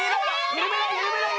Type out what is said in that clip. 緩めない緩めない